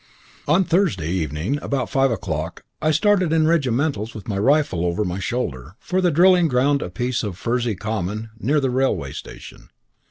On the Thursday evening about five o'clock I started in regimentals with my rifle over my shoulder, for the drilling ground a piece of furzy common near the railway station.